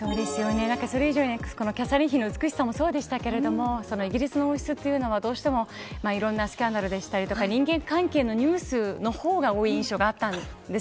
それ以上にキャサリン妃の美しさもそうですがイギリスの王室は、どうしてもいろいろなスキャンダルや人間関係のニュースのほうが多い印象でした。